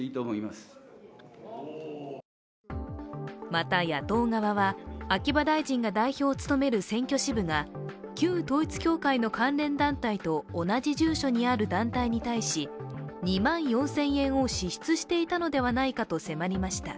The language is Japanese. また、野党側は秋葉大臣が代表を務める選挙支部が旧統一教会の関連団体と同じ住所にある団体に対し２万４０００円を支出していたのではないかと迫りました。